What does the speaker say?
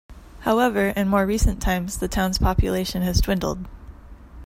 However, in more recent times the town's population has dwindled.